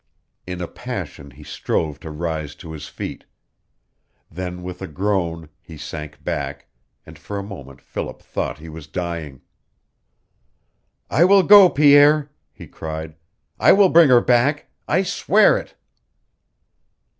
In a passion he strove to rise to his feet. Then with a groan he sank back, and for a moment Philip thought he was dying. "I will go, Pierre," he cried. "I will bring her back. I swear it."